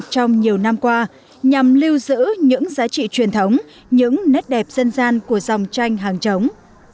trong nhiều năm qua nhằm lưu giữ những giá trị truyền thống những nét đẹp dân gian của dòng tranh hàng chống